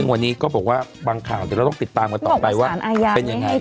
วันนี้ก็บอกว่าบางข่าวเดี๋ยวเราต้องติดตามกันต่อไปว่าเป็นยังไง